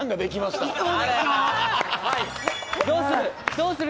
どうする？